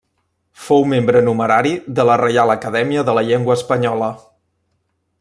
Fou membre numerari de la Reial Acadèmia de la Llengua Espanyola.